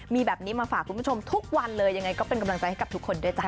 มีแบบนี้มาฝากคุณผู้ชมทุกวันเลยยังไงก็เป็นกำลังใจให้กับทุกคนด้วยจ้